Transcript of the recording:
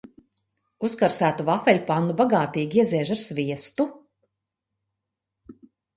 Uzkarsētu vafeļpannu bagātīgi ieziež ar sviestu.